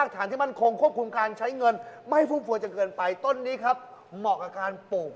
ทำไมล่ะแล้วมาเริ่มต้นใหม่ด้วยกัน